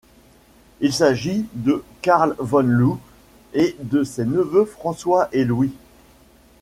Il s'agit de Carle Van Loo et de ses neveux François et Louis.